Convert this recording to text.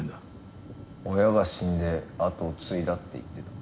親が死んで後を継いだって言ってた。